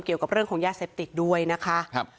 เกี่ยวกับเรื่องของยาเสพติดด้วยนะคะ